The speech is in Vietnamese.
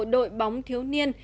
đội bóng thiếu niên